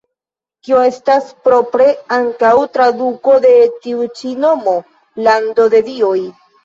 Kio estas propre ankaŭ traduko de tiu ĉi nomo: "Lando de dioj".